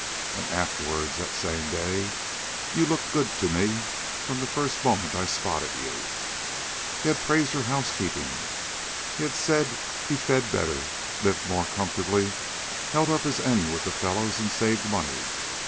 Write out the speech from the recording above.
And afterward, that same day: "You looked good to me from the first moment I spotted you." He had praised her housekeeping. He had said he fed better, lived more comfortably, held up his end with the fellows, and saved money.